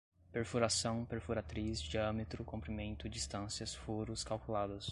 perfuração, perfuratriz, diâmetro, comprimento, distâncias, furos, calculadas